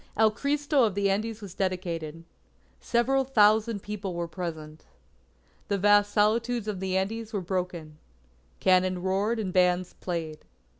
El Cristo of the Andes was dedicated. Several thousand people were present. The vast solitudes of the Andes were broken. Cannon roared and bands played.